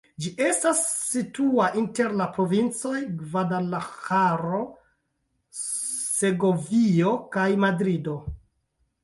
Ĝi estas situa inter la provincoj Gvadalaĥaro, Segovio kaj Madrido.